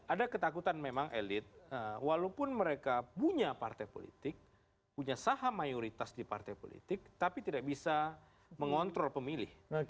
ada ketakutan memang elit walaupun mereka punya partai politik punya saham mayoritas di partai politik tapi tidak bisa mengontrol pemilih